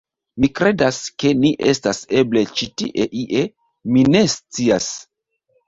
Mi kredas, ke ni estas eble ĉi tie ie... mi ne scias...